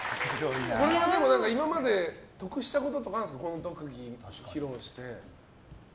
今まで得したこととかあるんですかこの特技を披露して。